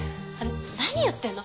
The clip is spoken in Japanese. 何言ってんの？